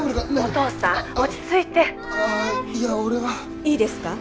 ☎お父さん落ち着いてああいや俺はいいですか？